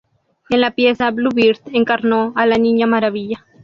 En la pieza "Blue Bird" encarnó a "la niña maravilla".